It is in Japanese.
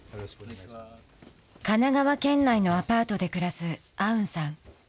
神奈川県内のアパートで暮らすアウンさん。